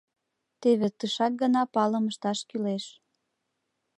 Теве тышак гына палым ышташ кӱлеш.